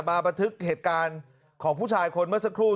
บันทึกเหตุการณ์ของผู้ชายคนเมื่อสักครู่